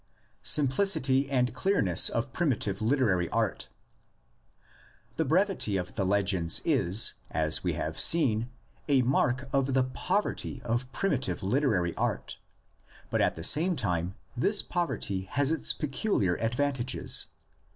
SIMPLICITY AND CLEARNESS OF PRIMITIVE LITERARY ART. The brevity of the legends is, as we have seen, a mark of the poverty of primitive literary art; but at 48 THE LEGENDS OF GENESIS. the same time this poverty has its peculiar advan tages.